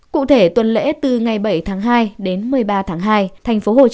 cụ thể tuần lễ từ ngày bảy tháng hai đến một mươi ba tháng hai